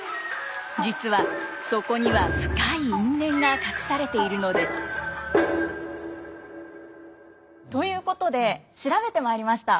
実はそこには深い因縁が隠されているのです。ということで調べてまいりました。